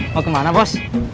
mau kemana bos